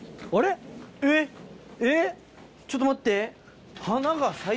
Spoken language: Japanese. ちょっと待って。